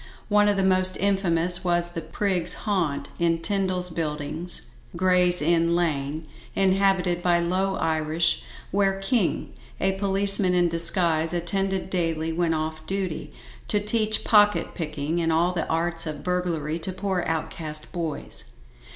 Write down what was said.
One of the most infamous was the "prig's haunt" in Tyndal's Buildings, Gray's Inn Lane, inhabited by low Irish, where KING, a policeman in disguise, attended daily when off duty, to teach pocket picking and all the arts of burglary to poor outcast boys.